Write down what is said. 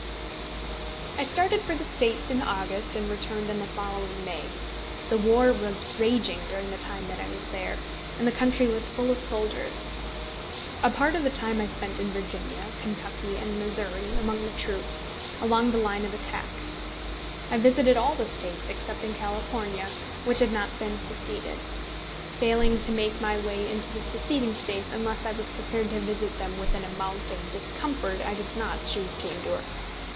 ] I started for the States in August and returned in the following May. The war was raging during the time that I was there, and the country was full of soldiers. A part of the time I spent in Virginia, Kentucky, and Missouri, among the troops, along the line of attack. I visited all the States (excepting California) which had not then seceded, failing to make my way into the seceding States unless I was prepared to visit them with an amount of discomfort I did not choose to endure.